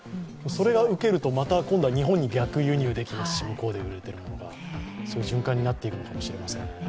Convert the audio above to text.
それがウケるとまた今度は日本に逆輸入できるしそういう循環になっていくのかもしれません。